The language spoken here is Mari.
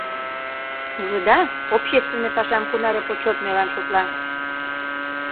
Ужыда, общественный пашам кунаре почетныйлан шотла.